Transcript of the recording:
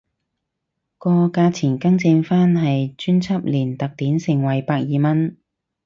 個價錢更正返係專輯連特典盛惠百二蚊